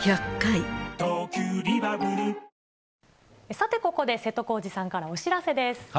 さて、ここで瀬戸康史さんからお知らせです。